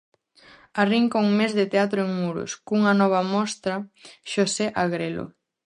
Arrinca un mes de teatro en Muros cunha nova mostra Xosé agrelo.